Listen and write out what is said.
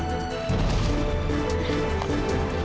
aku mau pergi baba